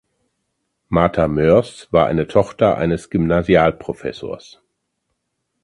Martha Moers war eine Tochter eines Gymnasialprofessors.